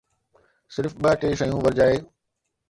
صرف ٻه ٽي شيون ورجائي.